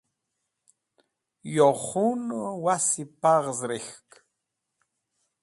Yo khunẽ wasi paghz rek̃hk.